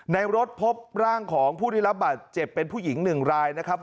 ในรถพบร่างของผู้ได้รับบาดเจ็บเป็นผู้หญิง๑รายนะครับ